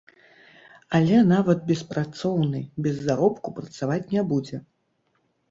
Але нават беспрацоўны без заробку працаваць не будзе.